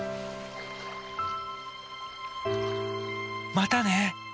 またね！